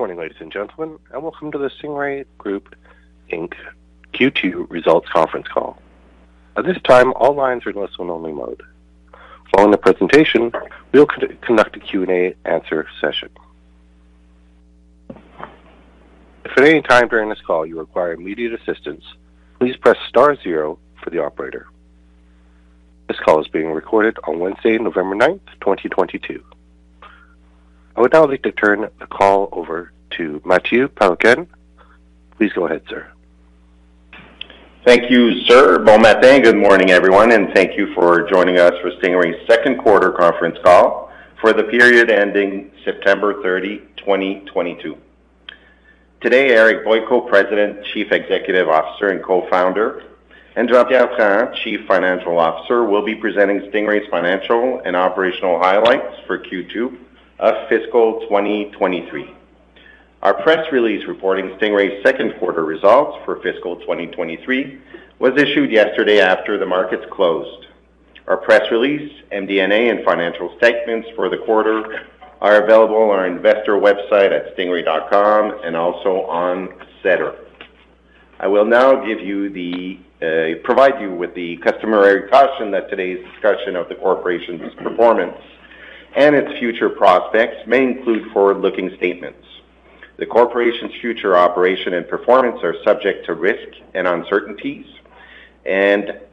Good morning, ladies and gentlemen, and welcome to the Stingray Group Inc Q2 Results Conference Call. At this time, all lines are in listen-only mode. Following the presentation, we'll conduct a Q&A answer session. If at any time during this call you require immediate assistance, please press star zero for the operator. This call is being recorded on Wednesday, November ninth, 2022. I would now like to turn the call over to Mathieu Péloquin. Please go ahead, sir. Thank you, sir. Bon matin. Good morning, everyone, and thank you for joining us for Stingray's second quarter conference call for the period ending September 30, 2022. Today, Eric Boyko, President, Chief Executive Officer, and Co-founder, and Jean-Pierre Trahan, Chief Financial Officer, will be presenting Stingray's financial and operational highlights for Q2 of fiscal 2023. Our press release reporting Stingray's second quarter results for fiscal 2023 was issued yesterday after the markets closed. Our press release, MD&A, and financial statements for the quarter are available on our investor website at stingray.com and also on SEDAR. I will now provide you with the customary caution that today's discussion of the corporation's performance and its future prospects may include forward-looking statements. The corporation's future operation and performance are subject to risks and uncertainties, and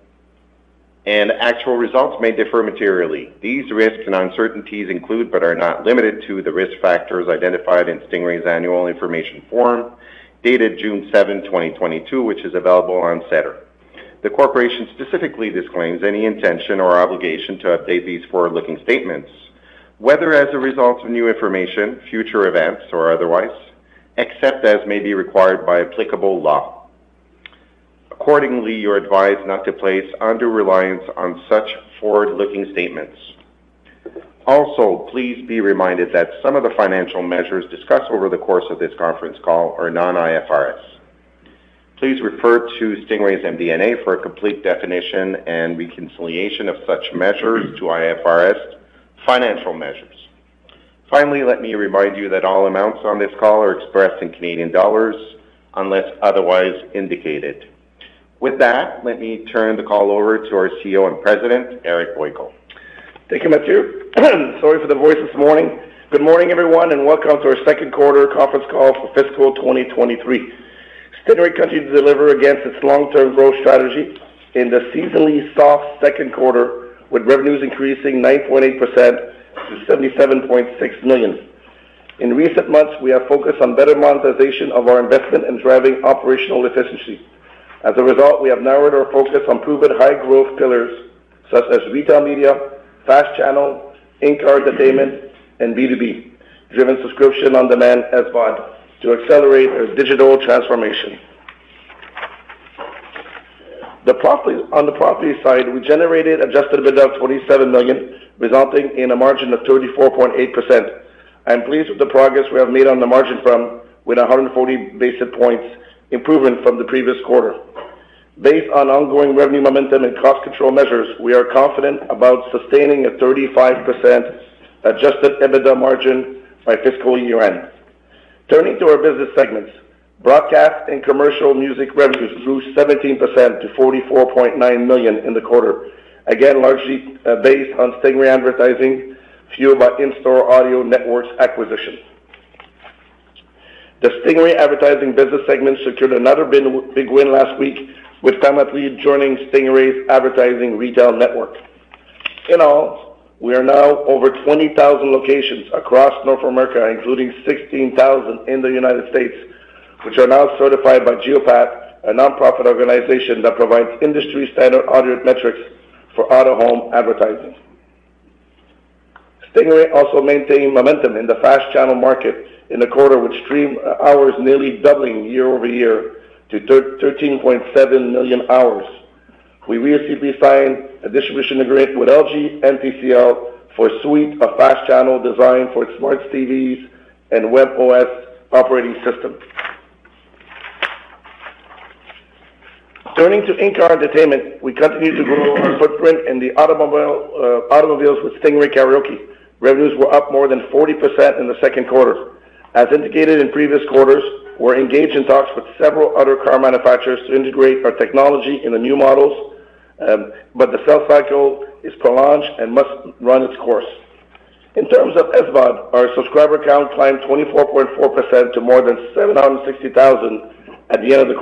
actual results may differ materially. These risks and uncertainties include, but are not limited to, the risk factors identified in Stingray's annual information form, dated June 7, 2022, which is available on SEDAR. The corporation specifically disclaims any intention or obligation to update these forward-looking statements, whether as a result of new information, future events, or otherwise, except as may be required by applicable law. Accordingly, you're advised not to place undue reliance on such forward-looking statements. Also, please be reminded that some of the financial measures discussed over the course of this conference call are non-IFRS. Please refer to Stingray's MD&A for a complete definition and reconciliation of such measures to IFRS financial measures. Finally, let me remind you that all amounts on this call are expressed in Canadian dollars unless otherwise indicated. With that, let me turn the call over to our CEO and President, Eric Boyko. Thank you, Mathieu. Sorry for the voice this morning. Good morning, everyone, and welcome to our second quarter conference call for fiscal 2023. Stingray continued to deliver against its long-term growth strategy in the seasonally soft second quarter, with revenues increasing 9.8% to 77.6 million. In recent months, we have focused on better monetization of our investment in driving operational efficiency. As a result, we have narrowed our focus on proven high-growth pillars, such as retail media, FAST channel, in-car entertainment, and B2B-driven subscription-on-demand SVOD to accelerate our digital transformation. On the profits side, we generated Adjusted EBITDA of 27.0 million, resulting in a margin of 34.8%. I am pleased with the progress we have made on the margin with a 140 basis points improvement from the previous quarter. Based on ongoing revenue momentum and cost control measures, we are confident about sustaining a 35% adjusted EBITDA margin by fiscal year-end. Turning to our business segments, broadcast and commercial music revenues grew 17% to 44.9 million in the quarter, again, largely based on Stingray Advertising fueled by InStore Audio Network acquisition. The Stingray Advertising business segment secured another big win last week with Time Out joining Stingray's advertising retail network. In all, we are now over 20,000 locations across North America, including 16,000 in the United States, which are now certified by Geopath, a nonprofit organization that provides industry-standard audit metrics for out-of-home advertising. Stingray also maintained momentum in the FAST channel market in the quarter with stream hours nearly doubling year-over-year to 13.7 million hours. We recently signed a distribution agreement with LG and TCL for a suite of FAST channel designed for smart TVs and webOS operating system. Turning to in-car entertainment, we continue to grow our footprint in the automobiles with Stingray Karaoke. Revenues were up more than 40% in the second quarter. As indicated in previous quarters, we're engaged in talks with several other car manufacturers to integrate our technology in the new models, but the sales cycle is prolonged and must run its course. In terms of SVOD, our subscriber count climbed 24.4% to more than 760,000 at the end of the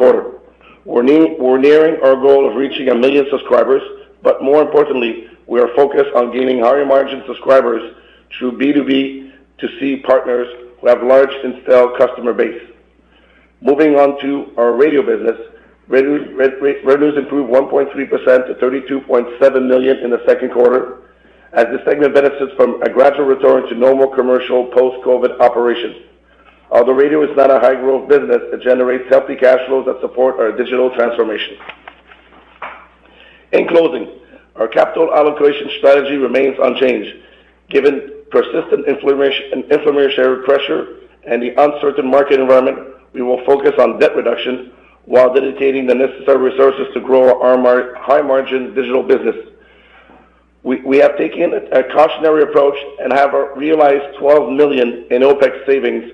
quarter. We're nearing our goal of reaching a million subscribers, but more importantly, we are focused on gaining higher-margin subscribers through B2B2C partners who have large installed customer base. Moving on to our radio business. Revenues improved 1.3% to 32.7 million in the second quarter as the segment benefits from a gradual return to normal commercial post-COVID operations. Although radio is not a high-growth business, it generates healthy cash flows that support our digital transformation. In closing, our capital allocation strategy remains unchanged. Given persistent inflationary pressure and the uncertain market environment, we will focus on debt reduction while dedicating the necessary resources to grow our high-margin digital business. We have taken a cautionary approach and have realized 12 million in OpEx savings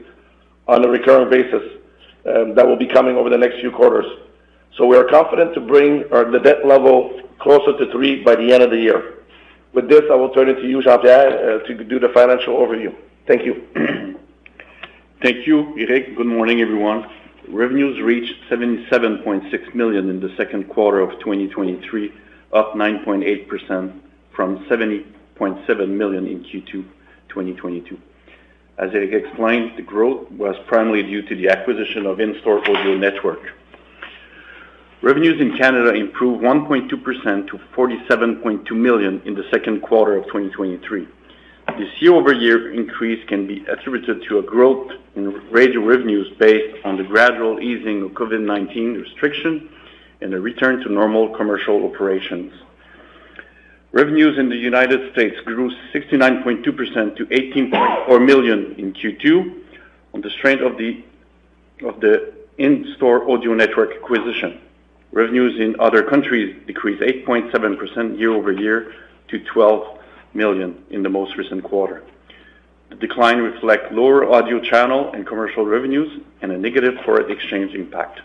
on a recurring basis, that will be coming over the next few quarters. We are confident to bring the debt level closer to three by the end of the year. With this, I will turn it to you, Jean-Pierre, to do the financial overview. Thank you. Thank you, Eric. Good morning, everyone. Revenues reached 77.6 million in the second quarter of 2023, up 9.8% from 70.7 million in Q2 2022. As Eric explained, the growth was primarily due to the acquisition of InStore Audio Network. Revenues in Canada improved 1.2% to 47.2 million in the second quarter of 2023. This year-over-year increase can be attributed to a growth in radio revenues based on the gradual easing of COVID-19 restriction and a return to normal commercial operations. Revenues in the United States grew 69.2% to 18.4 million in Q2 on the strength of the InStore Audio Network acquisition. Revenues in other countries decreased 8.7% year-over-year to 12 million in the most recent quarter. The decline reflects lower audio channel and commercial revenues and a negative foreign exchange impact.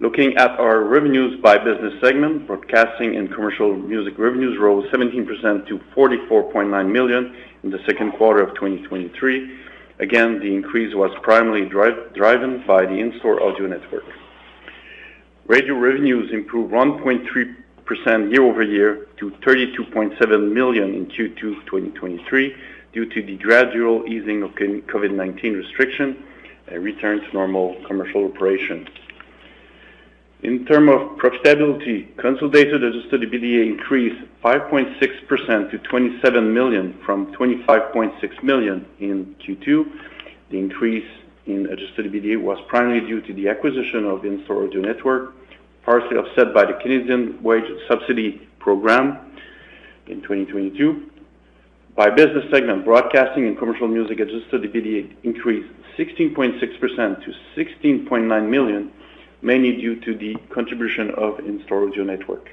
Looking at our revenues by business segment, broadcasting and commercial music revenues rose 17% to 44.9 million in the second quarter of 2023. Again, the increase was primarily driven by the InStore Audio Network. Radio revenues improved 1.3% year-over-year to 32.7 million in Q2 2023 due to the gradual easing of COVID-19 restrictions, a return to normal commercial operations. In terms of profitability, consolidated adjusted EBITDA increased 5.6% to 27 million from 25.6 million in Q2. The increase in adjusted EBITDA was primarily due to the acquisition of InStore Audio Network, partially offset by the Canadian wage subsidy program in 2022. By business segment, broadcasting and commercial music adjusted EBITDA increased 16.6% to 16.9 million, mainly due to the contribution of InStore Audio Network.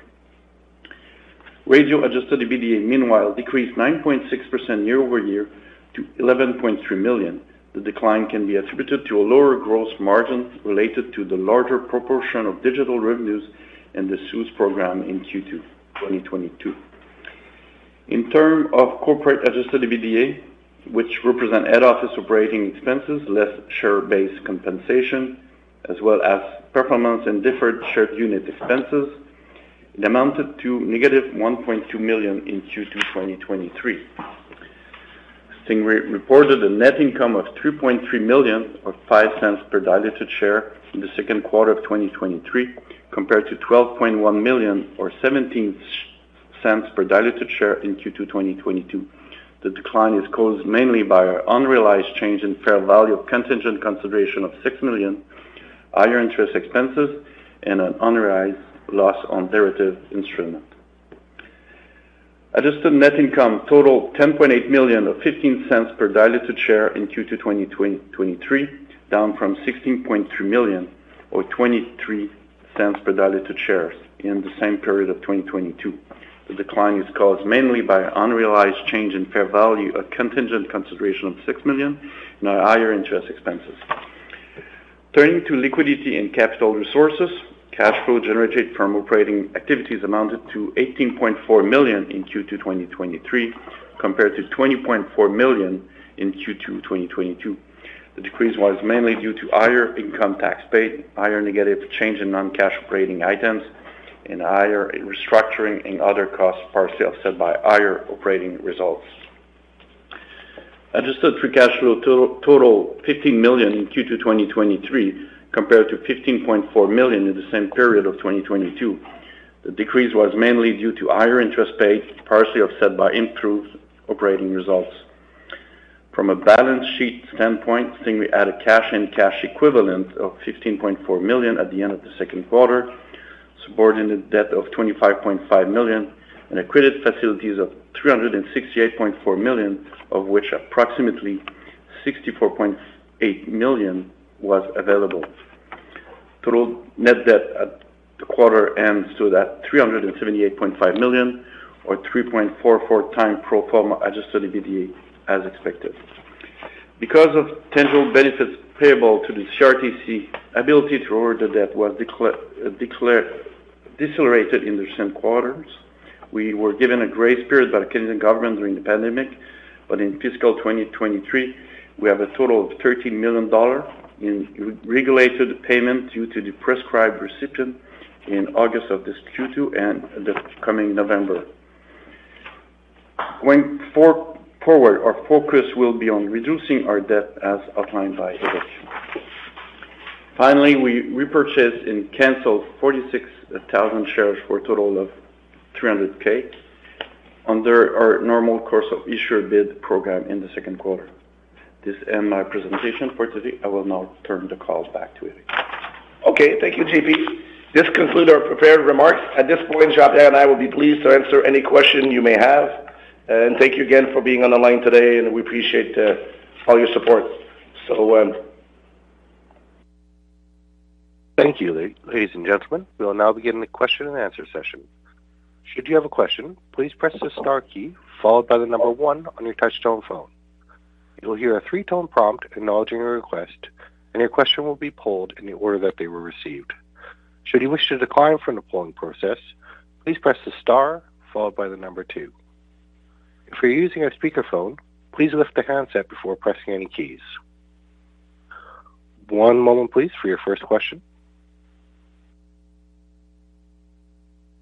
Radio adjusted EBITDA, meanwhile, decreased 9.6% year-over-year to 11.3 million. The decline can be attributed to a lower gross margin related to the larger proportion of digital revenues and the CEWS program in Q2 2022. In terms of corporate adjusted EBITDA, which represent head office operating expenses, less share-based compensation, as well as performance and deferred share unit expenses, it amounted to -1.2 million in Q2 2023. Stingray reported a net income of 2.3 million, or 0.05 per diluted share in the second quarter of 2023, compared to 12.1 million or 0.17 per diluted share in Q2 2022. The decline is caused mainly by our unrealized change in fair value of contingent consideration of 6 million, higher interest expenses, and an unrealized loss on derivative instrument. Adjusted net income totaled 10.8 million, or 0.15 per diluted share in Q2 2023, down from 16.3 million, or 0.23 per diluted share in the same period of 2022. The decline is caused mainly by unrealized change in fair value of contingent consideration of 6 million and our higher interest expenses. Turning to liquidity and capital resources, cash flow generated from operating activities amounted to 18.4 million in Q2 2023, compared to 20.4 million in Q2 2022. The decrease was mainly due to higher income tax paid, higher negative change in non-cash operating items, and higher restructuring and other costs, partially offset by higher operating results. Adjusted free cash flow totaled 15 million in Q2 2023, compared to 15.4 million in the same period of 2022. The decrease was mainly due to higher interest paid, partially offset by improved operating results. From a balance sheet standpoint, Stingray added cash and cash equivalents of 15.4 million at the end of the second quarter, subordinated debt of 25.5 million, and credit facilities of 368.4 million, of which approximately 64.8 million was available. Total net debt at quarter-end stood at CAD 378.5 million or 3.44x pro forma adjusted EBITDA as expected. Because of potential benefits payable to the CRTC, ability to incur debt was decelerated in the same quarter. We were given a grace period by the Canadian government during the pandemic, but in fiscal 2023, we have a total of 13 million dollars in regulated payment due to the prescribed recipient in August of this Q2 and the coming November. Going forward, our focus will be on reducing our debt as outlined by Eric. Finally, we repurchased and canceled 46,000 shares for a total of 300,000 under our Normal Course Issuer Bid program in the second quarter. This ends my presentation for today. I will now turn the call back to Eric. Okay, thank you, JP. This conclude our prepared remarks. At this point, Jean-Pierre and I will be pleased to answer any question you may have. Thank you again for being on the line today, and we appreciate all your support. Thank you. Ladies and gentlemen, we will now begin the question and answer session. Should you have a question, please press the star key followed by the number one on your touchtone phone. You will hear a three-tone prompt acknowledging your request, and your question will be polled in the order that they were received. Should you wish to decline from the polling process, please press the star followed by the number two. If you're using a speakerphone, please lift the handset before pressing any keys. One moment please, for your first question.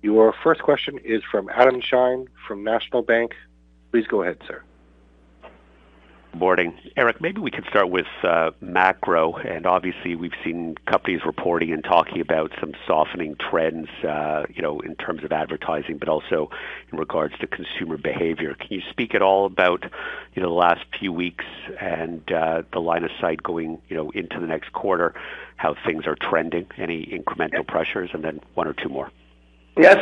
Your first question is from Adam Shine from National Bank. Please go ahead, sir. Morning. Eric, maybe we could start with macro, and obviously we've seen companies reporting and talking about some softening trends, you know, in terms of advertising, but also in regards to consumer behavior. Can you speak at all about the last few weeks and the line of sight going into the next quarter, how things are trending, any incremental pressures? And then one or two more. Yeah,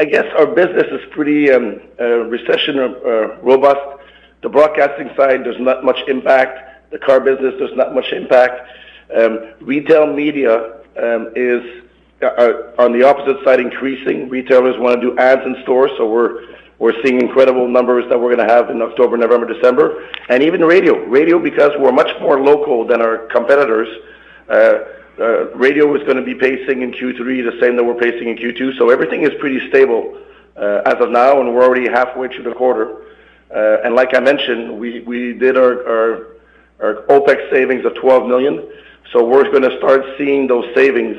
I guess our business is pretty recession-proof or robust. The broadcasting side does not much impact. The car business, there's not much impact. Retail media is on the opposite side, increasing. Retailers wanna do ads in stores, so we're seeing incredible numbers that we're gonna have in October, November, December. Even radio. Radio, because we're much more local than our competitors, radio is gonna be pacing in Q3 the same that we're pacing in Q2. Everything is pretty stable as of now, and we're already halfway through the quarter. Like I mentioned, we did our OpEx savings of 12 million. We're gonna start seeing those savings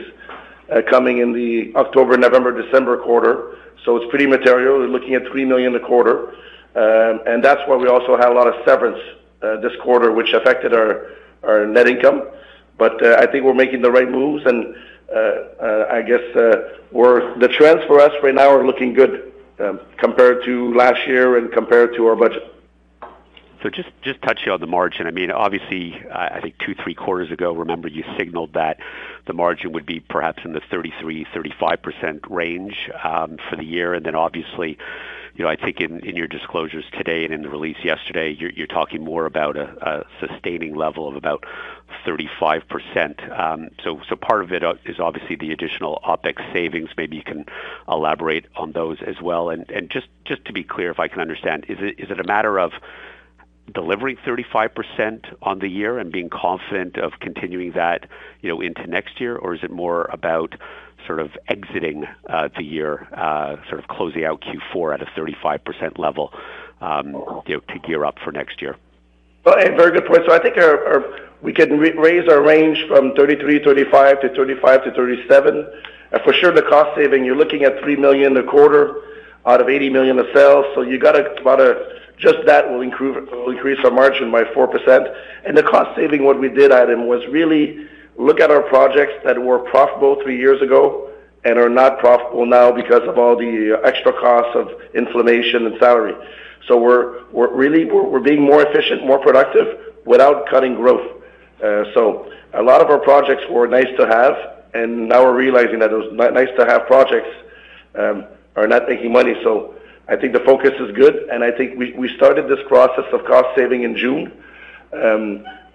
coming in the October, November, December quarter. It's pretty material. We're looking at 3 million a quarter. That's why we also had a lot of severance this quarter, which affected our net income. I think we're making the right moves and I guess the trends for us right now are looking good, compared to last year and compared to our budget. Just touching on the margin. I mean, obviously, I think two, three quarters ago, remember, you signaled that the margin would be perhaps in the 33%-35% range for the year. Then obviously, you know, I think in your disclosures today and in the release yesterday, you're talking more about a sustaining level of about 35%. Part of it is obviously the additional OpEx savings. Maybe you can elaborate on those as well. Just to be clear, if I can understand, is it a matter of delivering 35% on the year and being confident of continuing that, you know, into next year? Is it more about sort of exiting the year, sort of closing out Q4 at a 35% level, you know, to gear up for next year? Well, a very good point. I think our we can raise our range from 33%-35% to 35%-37%. For sure, the cost saving, you're looking at 3 million a quarter out of 80 million of sales. Just that will increase our margin by 4%. The cost saving, what we did, Adam, was really look at our projects that were profitable three years ago and are not profitable now because of all the extra costs of inflation and salary. We're really being more efficient, more productive without cutting growth. A lot of our projects were nice to have, and now we're realizing that those nice to have projects are not making money. I think the focus is good, and I think we started this process of cost saving in June.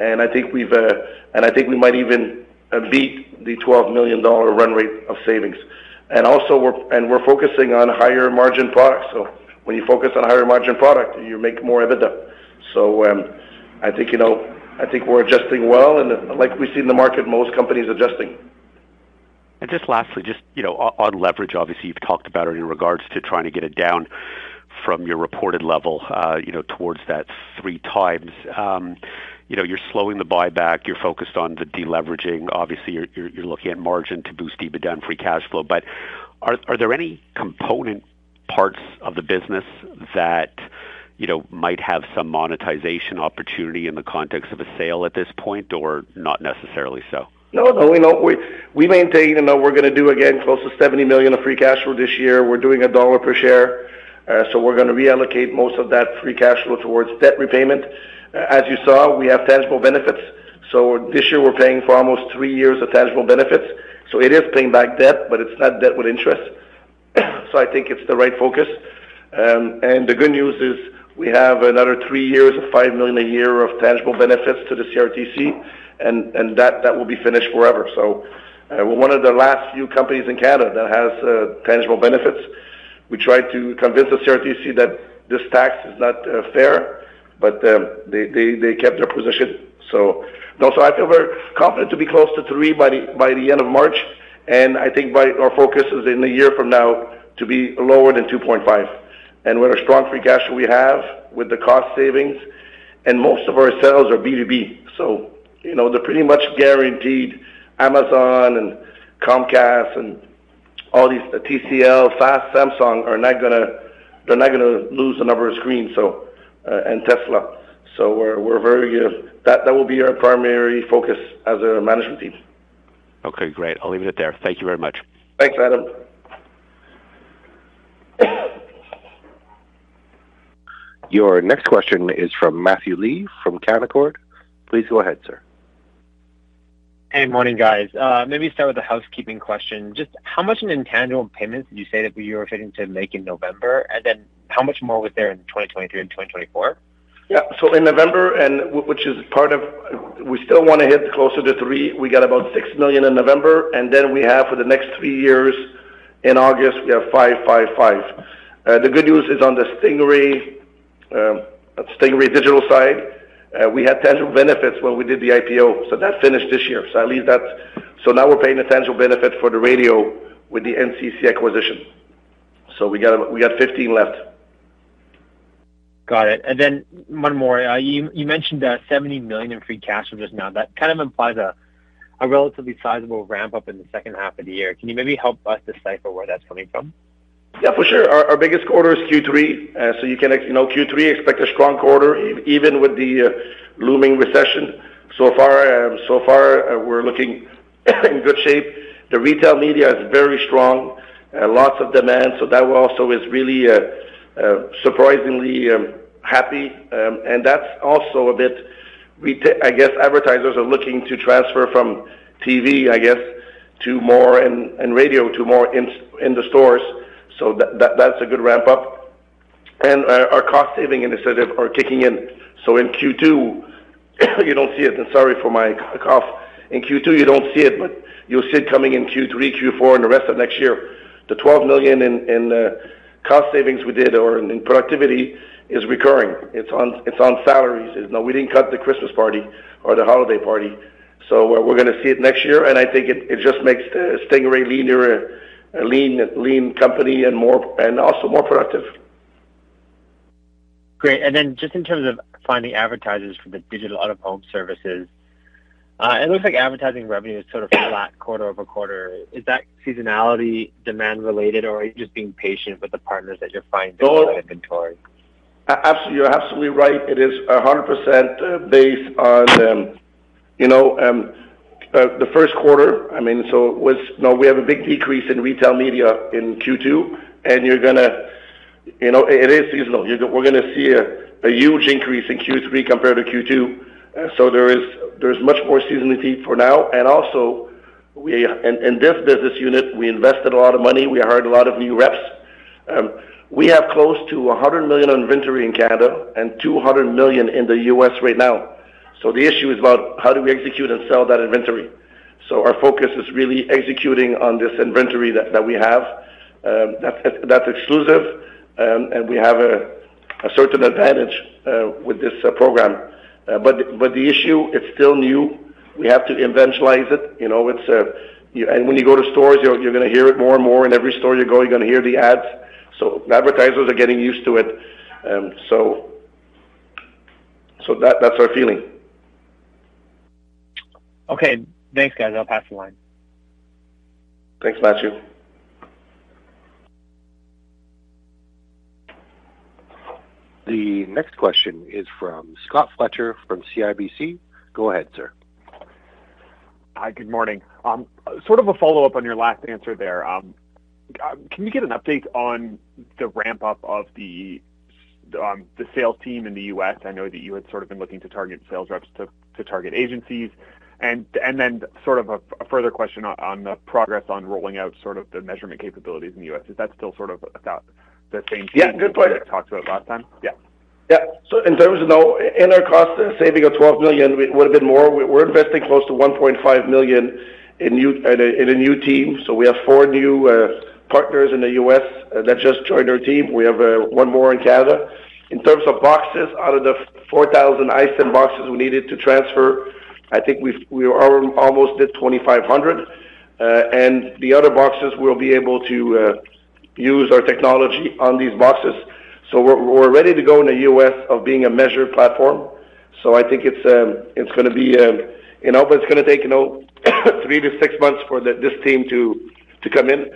I think we might even beat the 12 million dollar run rate of savings. We're focusing on higher margin products. When you focus on higher margin product, you make more EBITDA. I think, you know, I think we're adjusting well and like we see in the market, most companies adjusting. Just lastly, you know, on leverage, obviously, you've talked about it in regards to trying to get it down from your reported level, you know, towards that 3x. You know, you're slowing the buyback, you're focused on the de-leveraging. Obviously you're looking at margin to boost EBITDA and free cash flow. Are there any component parts of the business that, you know, might have some monetization opportunity in the context of a sale at this point, or not necessarily so? No, we don't. We maintain, you know, we're gonna do again close to 70 million of free cash flow this year. We're doing CAD 1 per share, so we're gonna reallocate most of that free cash flow towards debt repayment. As you saw, we have tangible benefits. This year we're paying for almost three years of tangible benefits. It is paying back debt, but it's not debt with interest. I think it's the right focus. The good news is we have another three years of 5 million a year of tangible benefits to the CRTC, and that will be finished forever. We're one of the last few companies in Canada that has tangible benefits. We tried to convince the CRTC that this tax is not fair, but they kept their position. No, I feel very confident to be close to three by the end of March. I think our focus is in a year from now to be lower than 2.5. With the strong free cash we have with the cost savings, and most of our sales are B2B, you know, they're pretty much guaranteed. Amazon, Comcast, and all these, TCL, FAST, Samsung are not gonna lose the number of screens, and Tesla. That will be our primary focus as a management team. Okay, great. I'll leave it there. Thank you very much. Thanks, Adam. Your next question is from Matthew Lee from Canaccord. Please go ahead, sir. Hey, morning guys. Maybe start with a housekeeping question. Just how much in intangible payments did you say that you were planning to make in November? Then how much more was there in 2023 and 2024? Yeah. In November, we still want to hit closer to 3 million. We got about 6 million in November, and then we have for the next three years, in August, we have 5 million, 5 million, 5 million. The good news is on the Stingray Digital side, we had tangible benefits when we did the IPO, so that's finished this year. Now we're paying a tangible benefit for the radio with the NCC acquisition. We got 15 million left. Got it. One more. You mentioned that 70 million in free cash flow just now, that kind of implies a relatively sizable ramp-up in the second half of the year. Can you maybe help us decipher where that's coming from? Yeah, for sure. Our biggest quarter is Q3. You can expect, you know, a strong Q3 even with the looming recession. So far we're looking in good shape. The retail media is very strong, lots of demand. That also is really surprisingly happy. I guess advertisers are looking to transfer from TV and radio to more in-store. That's a good ramp-up. Our cost saving initiative are kicking in. In Q2, you don't see it. I'm sorry for my cough. In Q2, you don't see it, but you'll see it coming in Q3, Q4, and the rest of next year. The 12 million in cost savings we did or in productivity is recurring. It's on salaries. No, we didn't cut the Christmas party or the holiday party. We're gonna see it next year, and I think it just makes Stingray leaner, a lean company and also more productive. Great. Just in terms of finding advertisers for the digital out-of-home services, it looks like advertising revenue is sort of flat quarter-over-quarter. Is that seasonality demand related, or are you just being patient with the partners as you find inventory? You're absolutely right. It is 100%, based on, you know, the first quarter, I mean, so was— No, we have a big decrease in retail media in Q2, and you're gonna. You know, it is seasonal. We're gonna see a huge increase in Q3 compared to Q2. So there is, there's much more seasonality for now. Also, in this business unit, we invested a lot of money. We hired a lot of new reps. We have close to 100 million inventory in Canada and $200 million in the US right now. So the issue is about how do we execute and sell that inventory. So our focus is really executing on this inventory that we have, that's exclusive. And we have a certain advantage with this program. The issue, it's still new. We have to evangelize it, you know, it's when you go to stores, you're gonna hear it more and more. In every store you go, you're gonna hear the ads. Advertisers are getting used to it, so that's our feeling. Okay. Thanks, guys. I'll pass the line. Thanks, Matthew. The next question is from Scott Fletcher from CIBC. Go ahead, sir. Hi, good morning. Sort of a follow-up on your last answer there. Can we get an update on the ramp-up of the sales team in the U.S.? I know that you had sort of been looking to target sales reps to target agencies. Sort of a further question on the progress on rolling out sort of the measurement capabilities in the U.S. Is that still sort of about the same team? Yeah. Good point. You talked about last time? Yeah. In terms of our cost saving of 12 million, we're a bit more. We're investing close to 1.5 million in a new team. We have four new partners in the U.S. that just joined our team. We have one more in Canada. In terms of boxes, out of the 4,000 ISMB boxes we needed to transfer, I think we're almost at 2,500. And the other boxes, we'll be able to use our technology on these boxes. We're ready to go in the U.S. of being a measured platform. I think it's gonna be, you know, but it's gonna take, you know, 3-6 months for this team to come in.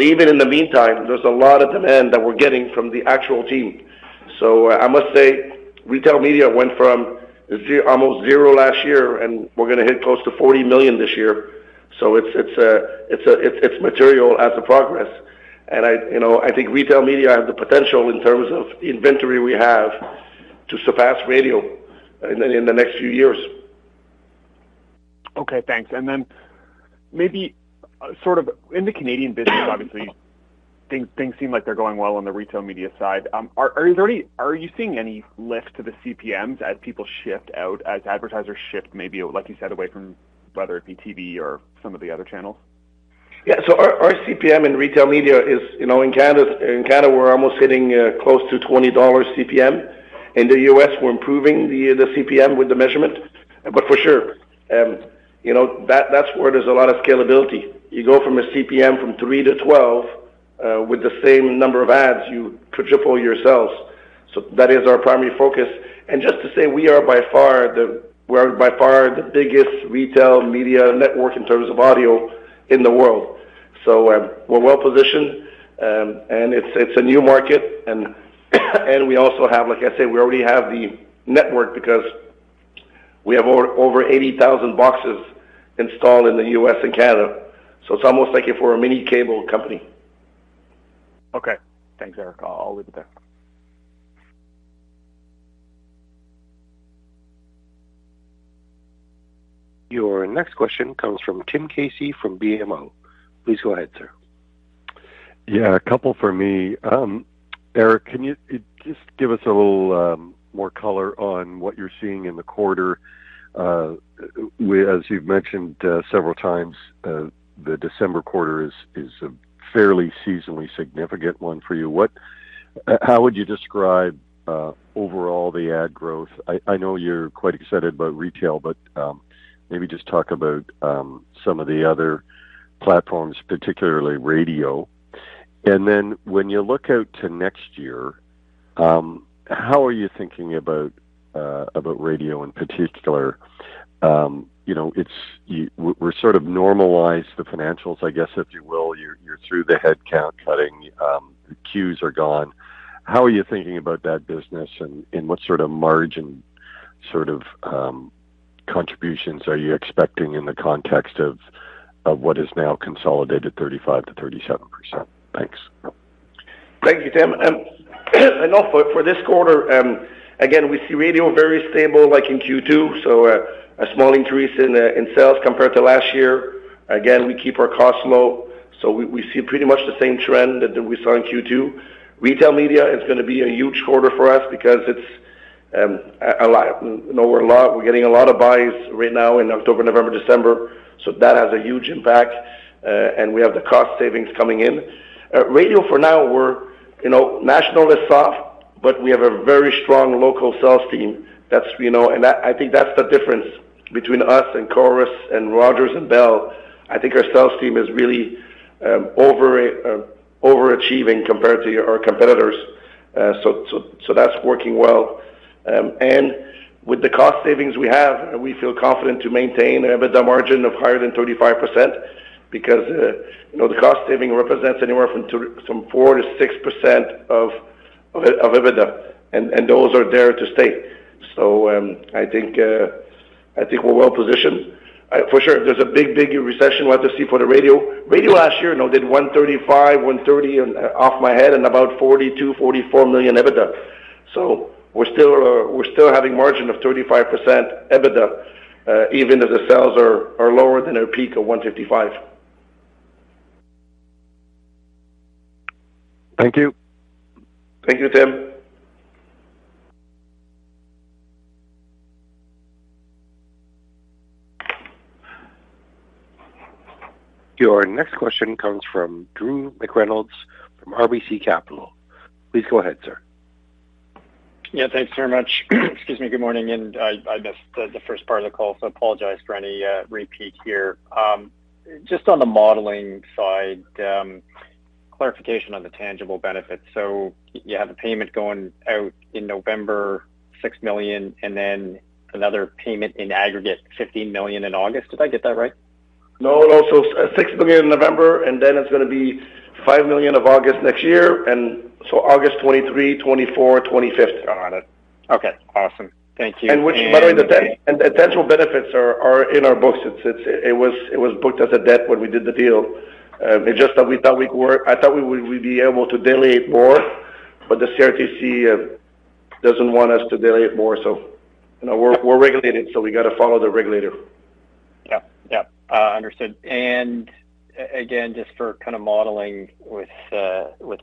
Even in the meantime, there's a lot of demand that we're getting from the actual team. I must say, retail media went from almost zero last year, and we're gonna hit close to 40 million this year. It's a material as a progress. You know, I think retail media has the potential in terms of inventory we have to surpass radio in the next few years. Okay, thanks. Maybe sort of in the Canadian business, obviously, things seem like they're going well on the retail media side. Are you seeing any lift to the CPMs as people shift out, as advertisers shift, maybe, like you said, away from whether it be TV or some of the other channels? Yeah. Our CPM in retail media is, you know, in Canada we're almost hitting close to 20 dollars CPM. In the U.S., we're improving the CPM with the measurement. For sure, you know, that's where there's a lot of scalability. You go from a CPM from $3-$12 with the same number of ads, you quadruple your sales. That is our primary focus. Just to say, we are by far the biggest retail media network in terms of audio in the world. We're well-positioned, and it's a new market. We also have, like I said, we already have the network because we have over 80,000 boxes installed in the US and Canada. It's almost like if we're a mini cable company. Okay. Thanks, Eric. I'll leave it there. Your next question comes from Tim Casey from BMO. Please go ahead, sir. Yeah, a couple for me. Eric, can you just give us a little more color on what you're seeing in the quarter? As you've mentioned several times, the December quarter is a fairly seasonally significant one for you. How would you describe overall the ad growth? I know you're quite excited about retail, but maybe just talk about some of the other platforms, particularly radio. Then when you look out to next year, how are you thinking about radio in particular? You know, we've sort of normalized the financials, I guess if you will. You're through the headcount cutting, the queues are gone. How are you thinking about that business and what sort of margin sort of contributions are you expecting in the context of what is now consolidated 35%-37%? Thanks. Thank you, Tim. You know, for this quarter, again, we see radio very stable like in Q2, so a small increase in sales compared to last year. Again, we keep our costs low, so we see pretty much the same trend that we saw in Q2. Retail media is gonna be a huge quarter for us because it's a lot. You know, we're getting a lot of buys right now in October, November, December, so that has a huge impact. We have the cost savings coming in. Radio for now, you know, national is soft, but we have a very strong local sales team. I think that's the difference between us and Corus and Rogers and Bell. I think our sales team is really overachieving compared to our competitors. That's working well. With the cost savings we have, we feel confident to maintain EBITDA margin of higher than 35% because you know, the cost saving represents anywhere from 4%-6% of EBITDA, and those are there to stay. I think we're well positioned. For sure there's a big recession we'll have to see for the radio. Radio last year, you know, did 135 million, 130 million off my head and about 42 million-44 million EBITDA. We're still having margin of 35% EBITDA, even if the sales are lower than our peak of 155 million. Thank you. Thank you, Tim. Your next question comes from Drew McReynolds from RBC Capital. Please go ahead, sir. Yeah, thanks very much. Excuse me. Good morning. I missed the first part of the call, so I apologize for any repeat here. Just on the modeling side, clarification on the tangible benefits. You have a payment going out in November, 6 million, and then another payment in aggregate, 15 million in August. Did I get that right? No. 6 million in November, and then it's gonna be 5 million of August next year. August 2023, 2024, 2025. Got it. Okay. Awesome. Thank you. which by the way, the tangible benefits are in our books. It was booked as a debt when we did the deal. It's just that we thought we could—I thought we would be able to delay it more, but the CRTC doesn't want us to delay it more. You know, we're regulated, so we gotta follow the regulator. Yep. Understood. Again, just for kind of modeling with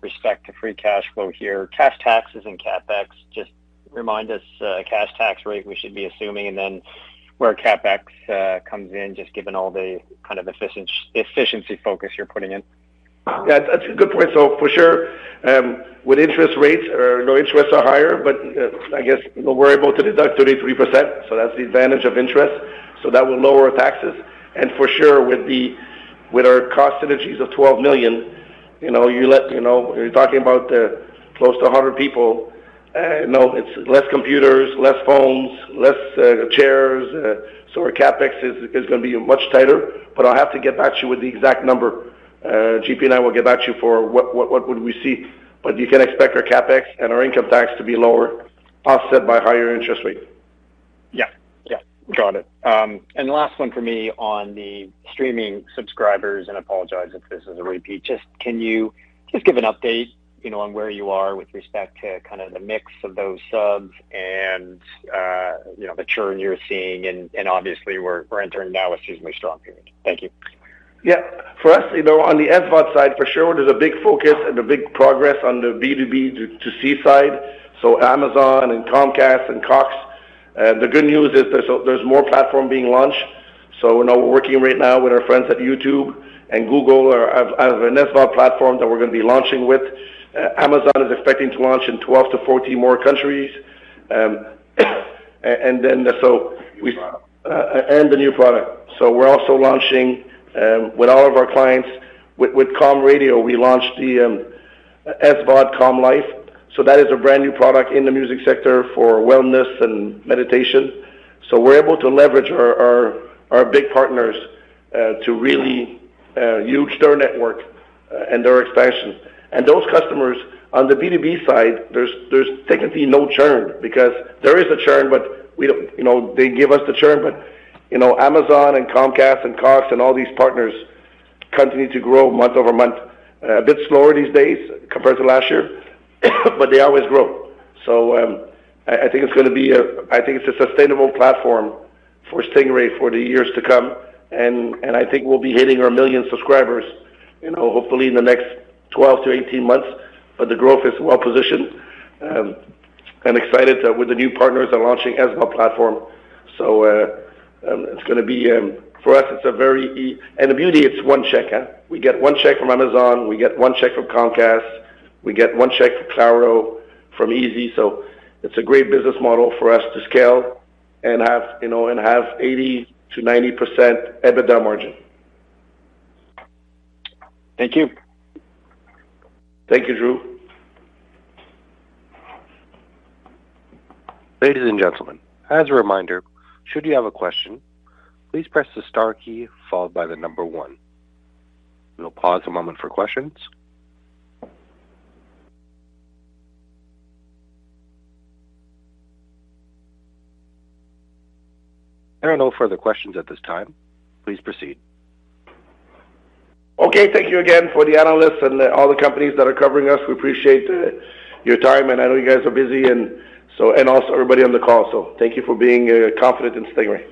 respect to free cash flow here, cash taxes and CapEx, just remind us cash tax rate we should be assuming and then where CapEx comes in, just given all the kind of efficiency focus you're putting in. Yeah, that's a good point. For sure, with interest rates or, you know, interests are higher, but I guess we're able to deduct 33%, so that's the advantage of interest. That will lower our taxes. For sure, with our cost synergies of 12 million, you know, you're talking about close to 100 people. You know, it's less computers, less phones, less chairs. Our CapEx is gonna be much tighter. I'll have to get back to you with the exact number. JP and I will get back to you for what would we see. You can expect our CapEx and our income tax to be lower, offset by higher interest rates. Yeah. Got it. Last one for me on the streaming subscribers, and I apologize if this is a repeat. Just can you give an update, you know, on where you are with respect to kind of the mix of those subs and, you know, the churn you're seeing and obviously we're entering now a seasonally strong period. Thank you. Yeah. For us, you know, on the SVOD side, for sure there's a big focus and a big progress on the B2B2C side, so Amazon and Comcast and Cox. The good news is there's more platform being launched. You know, we're working right now with our friends at YouTube and Google as an SVOD platform that we're gonna be launching with. Amazon is expecting to launch in 12-14 more countries. And then we New product. The new product. We're also launching with all of our clients. With Calm Radio, we launched the SVOD Calm Life. That is a brand new product in the music sector for wellness and meditation. We're able to leverage our big partners to really use their network and their expansion. Those customers on the B2B side, there's technically no churn because there is a churn, but we don't. You know, they give us the churn, but you know, Amazon and Comcast and Cox and all these partners continue to grow month-over-month. A bit slower these days compared to last year, but they always grow. I think it's gonna be a sustainable platform for Stingray for the years to come. I think we'll be hitting our million subscribers, you know, hopefully in the next 12-18 months. The growth is well positioned. I'm excited with the new partners on launching SVOD platform. The beauty, it's one check, huh? We get one check from Amazon, we get one check from Comcast, we get one check from Claro, from Izzi. It's a great business model for us to scale and have, you know, 80%-90% EBITDA margin. Thank you. Thank you, Drew. Ladies and gentlemen, as a reminder, should you have a question, please press the star key followed by the number one. We'll pause a moment for questions. There are no further questions at this time. Please proceed. Okay. Thank you again for the analysts and all the companies that are covering us. We appreciate your time, and I know you guys are busy, and also everybody on the call. Thank you for being confident in Stingray.